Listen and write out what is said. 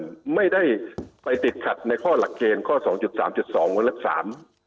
เพิ่มเติมไม่ได้ไปติดขัดในข้อหลักเกณฑ์ข้อ๒๓๒วันลักษร